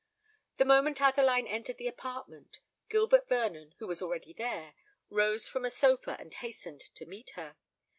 The moment Adeline entered the apartment, Gilbert Vernon, who was already there, rose from a sofa and hastened to meet her.